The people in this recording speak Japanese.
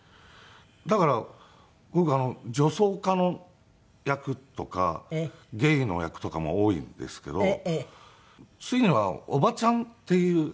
だから僕女装家の役とかゲイの役とかも多いんですけどついにはおばちゃんっていう